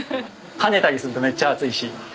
跳ねたりするとめっちゃ熱いし。